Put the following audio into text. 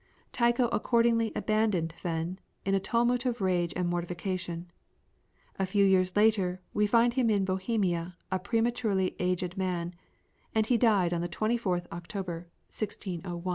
Tycho accordingly abandoned Hven in a tumult of rage and mortification. A few years later we find him in Bohemia a prematurely aged man, and he died on the 24th October, 1601. GALILEO.